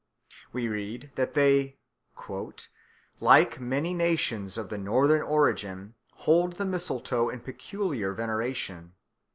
We read that they, "like many nations of the Northern origin, hold the mistletoe in peculiar veneration.